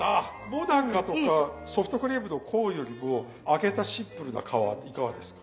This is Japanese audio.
もなかとかソフトクリームのコーンよりも揚げたシンプルな皮いかがですか？